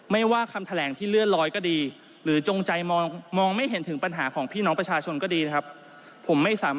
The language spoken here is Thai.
ไม่ว่าคำแถลงที่เลื่อนลอยก็ดีหรือจงใจมองไม่เห็นถึงปัญหาของพี่น้องประชาชนก็ดีนะครับ